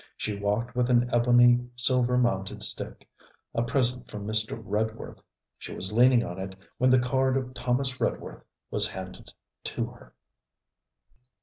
She walked with an ebony silver mounted stick, a present from Mr. Redworth. She was leaning on it when the card of Thomas Redworth was handed to her.